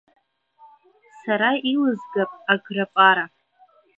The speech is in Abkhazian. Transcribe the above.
Сара илызгап аграпара…